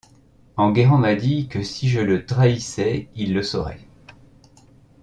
Enguerrand m’a dit que si je le trahissais il le saurait.